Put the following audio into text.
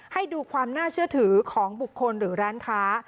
ให้ดูความน่าเชื่อถือของบุคคลหรือร้านค้า